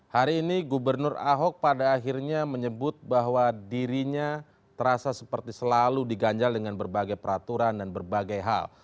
hari ini gubernur ahok pada akhirnya menyebut bahwa dirinya terasa seperti selalu diganjal dengan berbagai peraturan dan berbagai hal